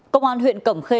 công an huyện cẩm khê